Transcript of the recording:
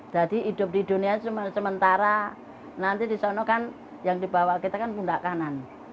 jadi hidup di dunia sementara nanti di sana kan yang dibawa kita kan pundak kanan